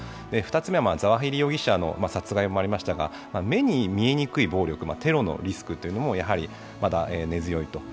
２つ目はザワヒリ容疑者の殺害もありましたが、目に見えにくい暴力、テロのリスクもやはりまだ根強いと。